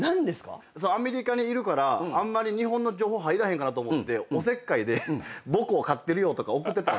アメリカにいるから日本の情報入らへんかなと思っておせっかいで母校勝ってるよとか送ってた。